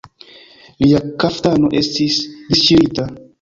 Lia kaftano estis disŝirita.